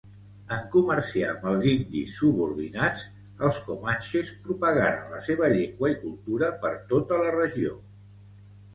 En comerciar amb els indis subordinats, els comanxes propagaren la seva llengua i cultura per tota la regió.